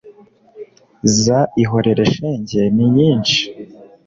za “ihorere shenge” ni nyinshi